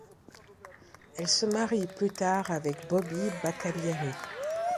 Elle se marie plus tard avec Bobby Baccalieri.